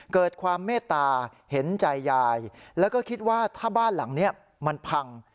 เกิดความเมตตาเห็นใจยายแล้วก็คิดว่าถ้าบ้านหลังนี้มันพัง